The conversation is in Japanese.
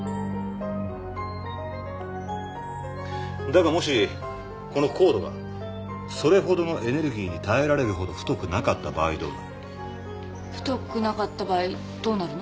だがもしこのコードがそれほどのエネルギーに耐えられるほど太くなかった場合どうなる？